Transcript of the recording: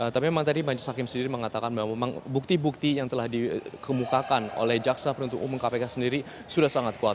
tapi memang tadi majlis hakim sendiri mengatakan bahwa memang bukti bukti yang telah dikemukakan oleh jaksa penuntut umum kpk sendiri sudah sangat kuat